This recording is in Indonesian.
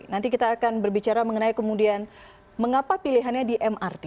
nanti kita akan berbicara mengenai kemudian mengapa pilihannya di mrt